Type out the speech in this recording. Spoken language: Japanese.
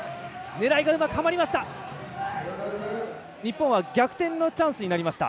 狙いがうまくはまりました。